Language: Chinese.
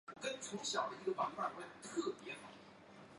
是一款由光荣制作和发行的角色扮演类游戏。